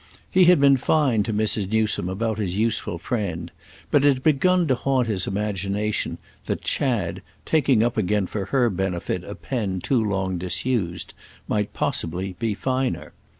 He had been fine to Mrs. Newsome about his useful friend, but it had begun to haunt his imagination that Chad, taking up again for her benefit a pen too long disused, might possibly be finer.